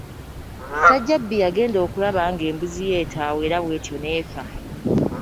Ssajjabbi yagenda okulaba nga embuzi ye etaawa era bw'etyo n'efa.